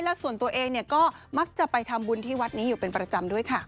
และส่วนตัวเองก็มักจะไปทำบุญที่วัดนี้อยู่เป็นประจำด้วยค่ะ